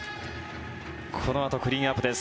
このあとクリーンアップです。